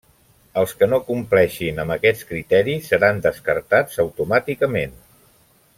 Els que no compleixin amb aquests criteris seran descartats automàticament.